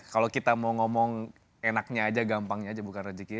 kalau kita mau ngomong enaknya aja gampangnya aja bukan rezeki